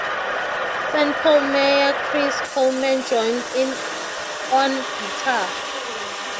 Saint Paul Mayor Chris Coleman joined in on guitar.